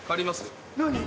何？